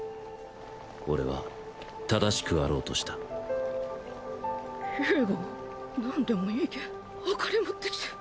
俺は正しくあろうとした啓悟何でもいいけんお金持ってきて。